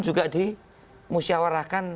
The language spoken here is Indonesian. juga di musyawarahkan